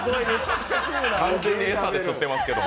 完全に餌でつってますけど。